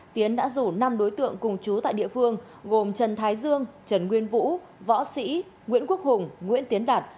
tiến đã rủ năm đối tượng cùng chú tại địa phương gồm trần thái dương trần nguyên vũ võ sĩ nguyễn quốc hùng nguyễn tiến đạt